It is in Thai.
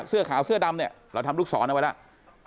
เสื้อขาวเสื้อดำเนี่ยเราทำลูกศรเอาไว้แล้ว